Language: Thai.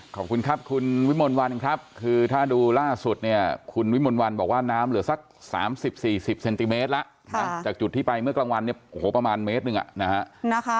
คุณวิมนต์วันบอกว่าน้ำน้ำเหลือสักสามสิบสี่สิบเซนติเมตรล่ะค่ะจากจุดที่ไปเมื่อกลางวันเนี่ยโหประมาณเมตรหนึ่งอ่ะนะคะ